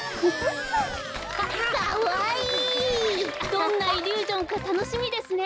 どんなイリュージョンかたのしみですね。